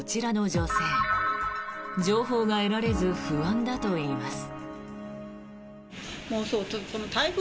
情報が得られず不安だといいます。